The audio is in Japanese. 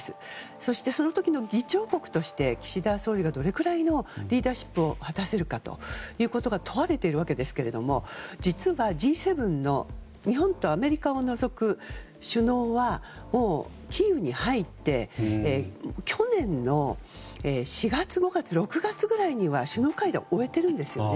そして、その時の議長国として岸田総理はどれくらいのリーダーシップを果たせるかが問われているわけですが実はＧ７の日本とアメリカを除く首脳はもうキーウに入って去年の４月、５月、６月くらいには首脳会談を終えているんですね。